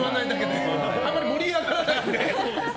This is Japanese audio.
あんまり盛り上がらないんで。